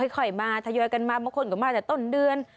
ค่อยมาทยอยกันมาบางคนก็มาจากต้นเดือน